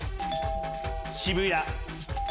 渋谷。